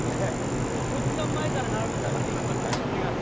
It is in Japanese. もう５時間前から並ぶつもりで行ってきます。